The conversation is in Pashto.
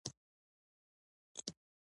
بي بي سي عربې څانګې موافقان او مخالفان سره کېنول.